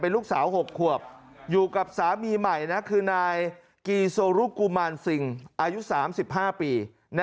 ลูกสาว๖ขวบอยู่กับสามีใหม่คือนายกีโซรุกุมารซิงอายุ๓๕ปี